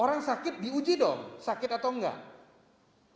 orang sakit diuji dong sakit atau enggak